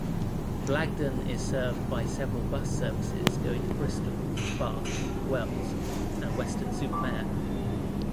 Blagdon is served by several bus services going to Bristol, Bath, Wells and Weston-super-Mare.